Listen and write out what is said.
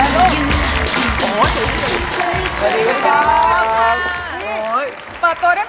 เปิดตัวได้เพลงน้องเกราดนะครับ